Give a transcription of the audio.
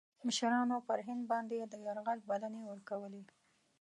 مشـرانو پر هند باندي د یرغل بلني ورکولې.